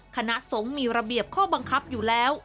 คณะสงฆ์มีระเบียบข้อบังคับอยู่แล้ว